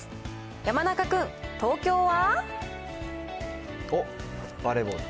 山中君、東京は？